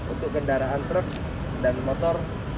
untuk kendaraan truk dan motor